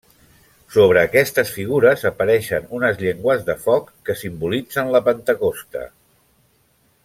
Sobre aquestes figures apareixen unes llengües de foc, que simbolitzen la Pentecosta.